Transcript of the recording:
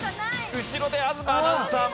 後ろで東アナウンサーも祈っている。